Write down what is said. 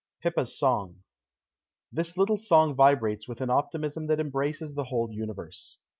_ PIPPA'S SONG This little song vibrates with an optimism that embraces the whole universe.